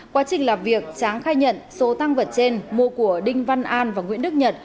quá trình làm việc tráng khai nhận số tăng vật trên mua của đinh văn an và nguyễn đức nhật